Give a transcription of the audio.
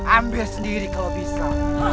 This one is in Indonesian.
ambil sendiri kalau bisa